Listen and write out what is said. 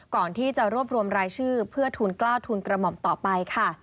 ก่อนที่จะรวบรวมรายชื่อเพื่อทุนกล้าวทุนกระหม่อมต่อไปค่ะ